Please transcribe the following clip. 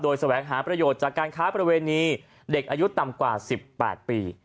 แสวงหาประโยชน์จากการค้าประเวณีเด็กอายุต่ำกว่า๑๘ปี